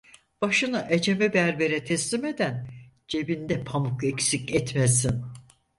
Başını ecemi berbere teslim eden, cebinde pamuk eksik etmesin.